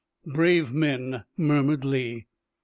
"Brave men!" murmured Lee.